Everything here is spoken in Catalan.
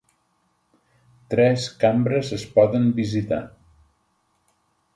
Tres cambres es poden visitar.